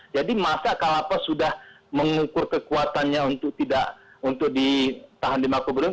jadi masa kalapas sudah mengukur kekuatannya untuk di tahan di mako berum